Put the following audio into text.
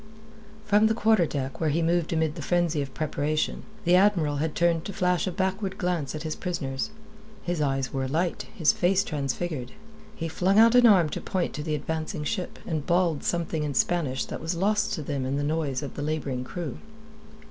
From the quarter deck, where he moved amid the frenzy of preparation, the Admiral had turned to flash a backward glance at his prisoners. His eyes were alight, his face transfigured. He flung out an arm to point to the advancing ship, and bawled something in Spanish that was lost to them in the noise of the labouring crew.